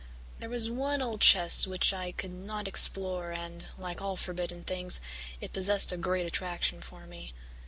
There was one old chest which I could not explore and, like all forbidden things, it possessed a great attraction for me.